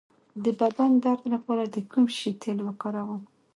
د بدن درد لپاره د کوم شي تېل وکاروم؟